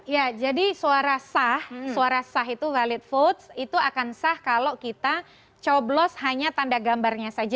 ya jadi suara sah suara sah itu valid vote itu akan sah kalau kita coblos hanya tanda gambarnya saja